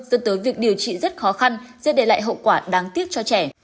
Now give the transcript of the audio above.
dân tới việc điều trị rất khó khăn giết để lại hậu quả đáng tiếc cho trẻ